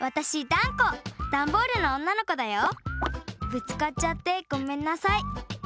ぶつかっちゃってごめんなさい。